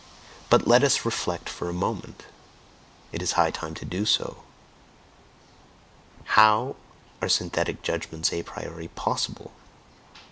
But let us reflect for a moment it is high time to do so. "How are synthetic judgments a priori POSSIBLE?"